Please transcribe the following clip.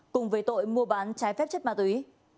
cùng về tội mua bán trái phép chất ma túy